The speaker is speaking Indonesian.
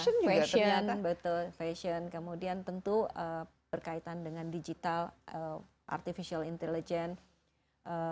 fashion betul fashion kemudian tentu berkaitan dengan digital artificial intelligence